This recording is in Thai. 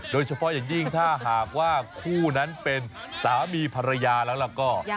โดยเฉพาะอย่างยิ่งถ้าหากว่าคู่นั้นเป็นสามีภรรยาแล้วก็